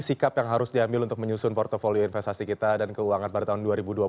sikap yang harus diambil untuk menyusun portfolio investasi kita dan keuangan pada tahun dua ribu dua puluh